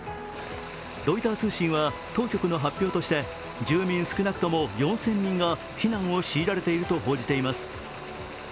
ロイター通信は当局の発表として、住民少なくとも４０００人が避難を強いられていると報じています。